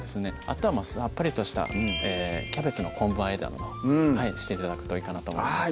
あとはさっぱりとしたキャベツの昆布和えなどして頂くといいかなと思います